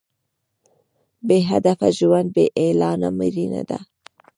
بې هدفه ژوند بې اعلانه مړینه ده.